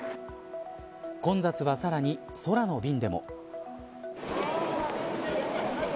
混雑はさらに、空の便でも。